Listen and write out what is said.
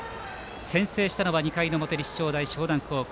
先制したのは２回の表立正大淞南高校。